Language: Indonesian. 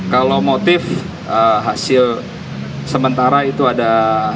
kalau motif hasil sementara itu ada